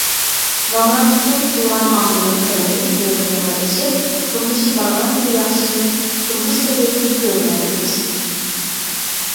نامراتلىقتىن قۇتۇلغان ئاممىنىڭ كىرىمى يىلدىن- يىلغا ئېشىپ، تۇرمۇشى بارغانسېرى ياخشىلىنىپ، تۇرمۇش سەۋىيەسى كۆرۈنەرلىك ئۆستى.